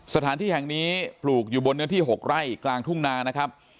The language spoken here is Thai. สถานที่แห่งนี้ปลูกอยู่บนเนื้อที่๖ไร่กลางทุ่งนานะครับ